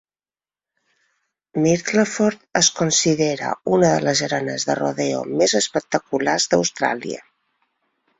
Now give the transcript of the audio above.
Myrtleford es considera una de les arenes de rodeo més espectaculars d'Austràlia.